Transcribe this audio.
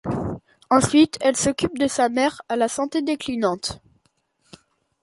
Ensuite, elle s'occupe de sa mère à la santé déclinante.